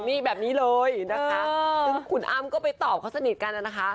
นี่แบบนี้เลยนะคะซึ่งคุณอ้ำก็ไปตอบเขาสนิทกันนะคะ